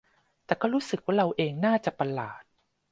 แต่ก็รู้สึกว่าเราเองน่าจะประหลาด